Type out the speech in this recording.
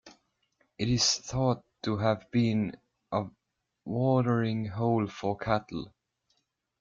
It is thought to have been a watering hole for cattle.